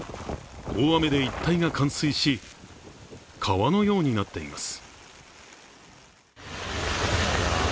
大雨で一帯が冠水し、川のようになっています。